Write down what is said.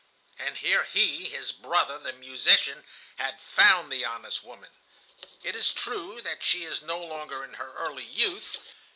And here he, his brother, the musician, had found the honest woman. 'It is true that she is no longer in her early youth.